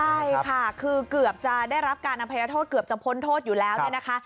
ใช่ค่ะคือเกือบจะได้รับการอภัยโทษเกือบจะพ้นโทษอยู่แล้วเนี่ยนะคะ